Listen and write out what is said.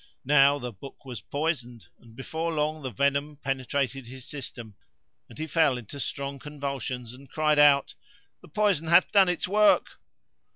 Now the book was poisoned; and before long the venom penetrated his system, and he fell into strong convulsions and he cried out, "The poison hath done its work!"